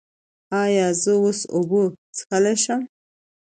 ایا زه اوس اوبه څښلی شم؟